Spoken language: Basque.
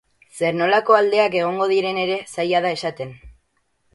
Zer-nolako aldeak egoten diren ere zaila da esaten.